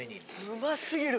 うますぎる。